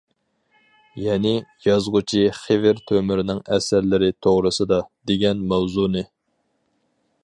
يەنى «يازغۇچى خېۋىر تۆمۈرنىڭ ئەسەرلىرى توغرىسىدا» دېگەن ماۋزۇنى.